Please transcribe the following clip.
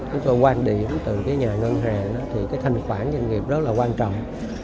chúng tôi quan điểm từ nhà ngân hàng là thanh khoản doanh nghiệp rất quan trọng